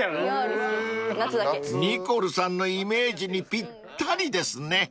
［ニコルさんのイメージにぴったりですね］